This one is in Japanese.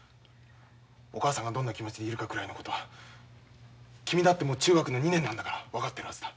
お母さんがどんな気持ちでいるかくらいのことは君だってもう中学の２年なんだから分かってるはずだ。